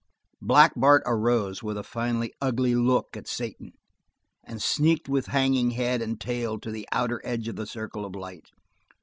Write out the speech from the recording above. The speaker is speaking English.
Black Bart arose with a finally ugly look for Satan and sneaked with hanging head and tail to the outer edge of the circle of light.